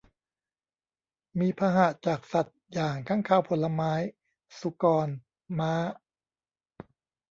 มีพาหะจากสัตว์อย่างค้างคาวผลไม้ สุกร ม้า